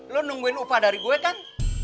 lo nungguin upah dari gue kan